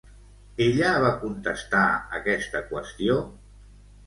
Ella va contestar aquesta qüestió?